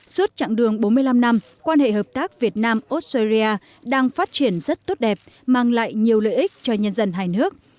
suốt chặng đường bốn mươi năm năm quan hệ hợp tác việt nam australia đang phát triển rất tốt đẹp mang lại nhiều lợi ích cho nhân dân hai nước